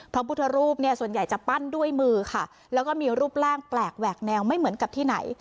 พระพุทธรูปเนี่ยส่วนใหญ่จะปั้นด้วยมือค่ะแล้วก็มีรูปร่างแปลกแหวกแนวไม่เหมือนกับที่ไหน